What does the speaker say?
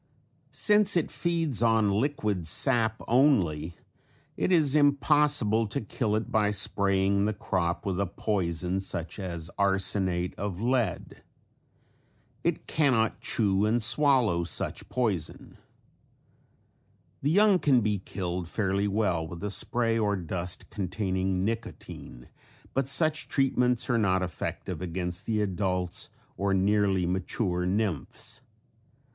Since it feeds on liquid sap only it is impossible to kill it by spraying the crop with a poison such as arsenate of lead. It can not chew and swallow such poison. The young can be killed fairly well with a spray or dust containing nicotine but such treatments are not effective against the adults or nearly mature nymphs.